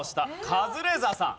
カズレーザーさん。